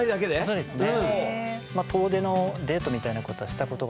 そうですね。